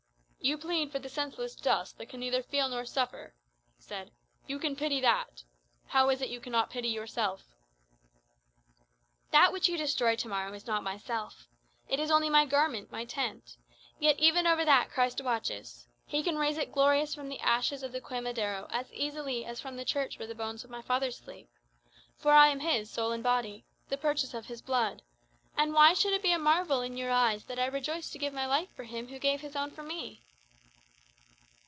"You plead for the senseless dust that can neither feel nor suffer," he said; "you can pity that. How is it you cannot pity yourself?" "That which you destroy to morrow is not myself. It is only my garment, my tent. Yet even over that Christ watches. He can raise it glorious from the ashes of the Quemadero as easily as from the church where the bones of my fathers sleep. For I am his, soul and body the purchase of his blood. And why should it be a marvel in your eyes that I rejoice to give my life for him who gave his own for me?"